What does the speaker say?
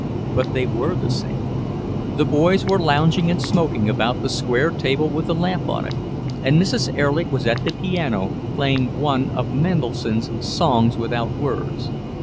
But they were the same. The boys were lounging and smoking about the square table with the lamp on it, and Mrs. Erlich was at the piano, playing one of Mendelssohn's "Songs Without Words."